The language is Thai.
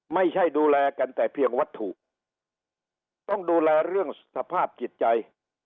ไม่ใช่ดูแลกันแต่เพียงวัตถุต้องดูแลเรื่องสภาพจิตใจ